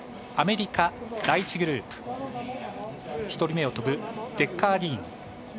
アメリカ、第１グループ１人目を飛ぶデッカー・ディーン。